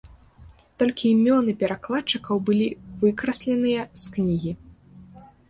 Толькі імёны перакладчыкаў былі выкрасленыя з кнігі.